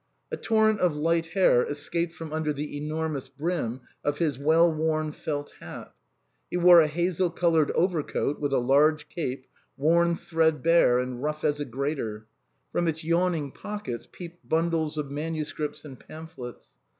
A torrent of light hair escaped from under the enormous brim of his well worn felt hat. He wore a hazel colored overcoat with a large cape, worn thread bare and rough as a grater; from its yawning pockets peeped bundles of manuscripts and pamphlets.